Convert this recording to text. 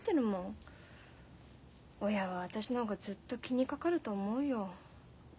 親は私の方がずっと気にかかると思うよ。